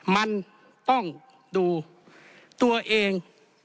มันต้องดูตัวเอง